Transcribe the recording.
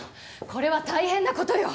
これは大変な事よ！